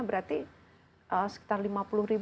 berarti sekitar lima puluh